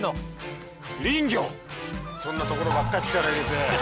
そんなところばっかり力入れて。